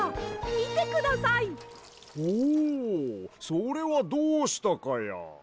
それはどうしたかや？